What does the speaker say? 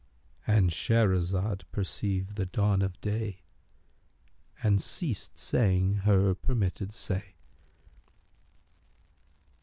"—And Shahrazad perceived the dawn of day and ceased saying her permitted say.